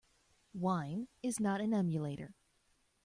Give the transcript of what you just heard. Wine is not an emulator.